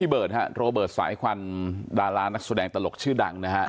เบิร์ตฮะโรเบิร์ตสายควันดารานักแสดงตลกชื่อดังนะฮะ